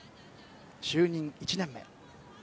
就任１年目。